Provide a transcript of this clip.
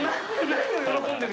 何を喜んでる？